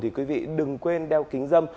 thì quý vị đừng quên đeo kính dâm